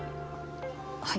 はい。